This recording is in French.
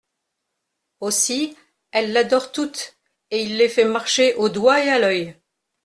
Aussi, elles l'adorent toutes, et il les fait marcher au doigt et à l'oeil …